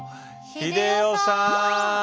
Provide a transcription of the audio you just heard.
英世さん。